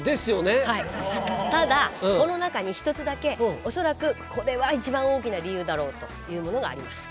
ただこの中に１つだけ恐らくこれは一番大きな理由だろうというものがあります。